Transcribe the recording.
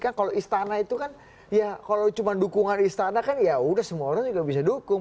kan kalau istana itu kan ya kalau cuma dukungan istana kan ya udah semua orang juga bisa dukung